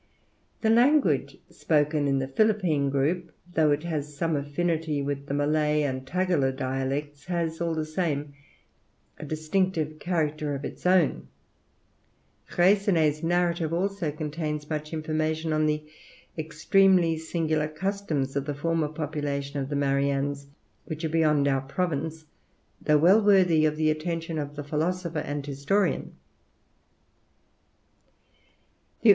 The language spoken in the Philippine group, though it has some affinity with the Malay and Tagala dialects, has all the same a distinctive character of its own. Freycinet's narrative also contains much information on the extremely singular customs of the former population of the Mariannes, which are beyond our province, though well worthy of the attention of the philosopher and historian.